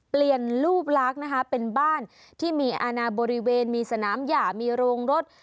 เปลี่ยนรูปลักษณ์นะคะเป็นบ้านที่มีอาณาบริเวณมีสนามหย่ามีโรงรถ